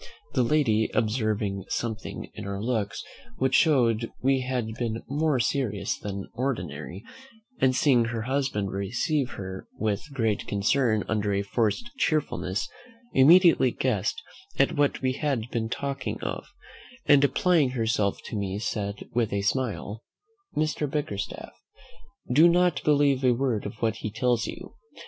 The lady observing something in our looks which showed we had been more serious than ordinary, and seeing her husband receive her with great concern under a forced cheerfulness, immediately guessed at what we had been talking of; and applying herself to me, said, with a smile, "Mr. Bickerstaff, do not believe a word of what he tells you.